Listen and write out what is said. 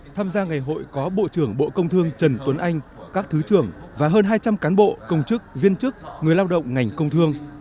tham gia ngày hội có bộ trưởng bộ công thương trần tuấn anh các thứ trưởng và hơn hai trăm linh cán bộ công chức viên chức người lao động ngành công thương